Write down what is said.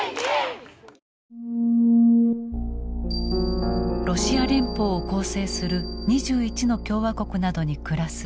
ロシア連邦を構成する２１の共和国などに暮らす少数民族。